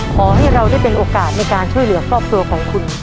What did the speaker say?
ขอให้เราได้เป็นโอกาสในการช่วยเหลือครอบครัวของคุณ